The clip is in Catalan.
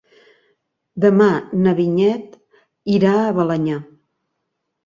Demà na Vinyet irà a Balenyà.